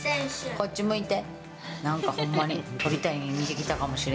こっち向いて。